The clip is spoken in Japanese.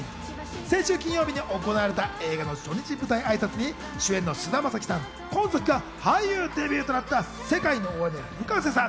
先週金曜日に行われた映画の初日舞台挨拶に主演の菅田将暉さん、今作が俳優デビューとなったＳＥＫＡＩＮＯＯＷＡＲＩのＦｕｋａｓｅさん。